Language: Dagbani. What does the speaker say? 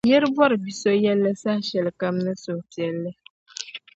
nira bɔri bi’so yɛlli saha shɛlikam ni suhupiɛlli.